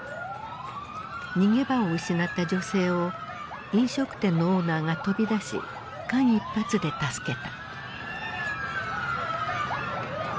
逃げ場を失った女性を飲食店のオーナーが飛び出し間一髪で助けた。